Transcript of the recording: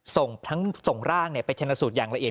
ส่งทั้งส่งร่างไปชนสูตรอย่างละเอียด